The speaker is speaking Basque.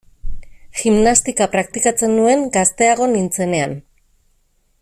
Gimnastika praktikatzen nuen gazteago nintzenean.